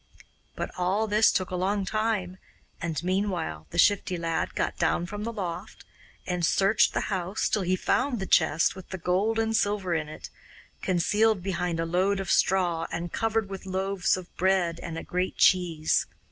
But all this took a long time, and meanwhile the Shifty Lad got down from the loft, and searched the house till he found the chest with the gold and silver in it, concealed behind a load of straw and covered with loaves of bread and a great cheese.